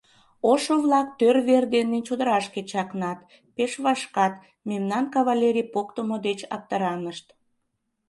Ошо-влак тӧр вер дене чодырашке чакнат: пеш вашкат, мемнан кавалерий поктымо деч аптыранышт.